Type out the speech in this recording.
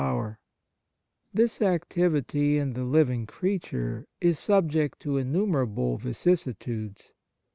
26 The Nature of Piety This activity in the living creature is subject to innumerable vicissitudes.